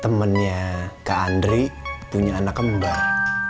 temennya kak andri punya anak kembar